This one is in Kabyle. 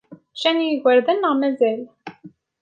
Ččan yigerdan neɣ mazal?